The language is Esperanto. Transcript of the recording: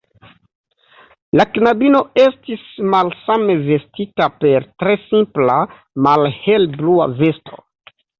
La knabino estis malsame vestita, per tre simpla, malhele blua vesto.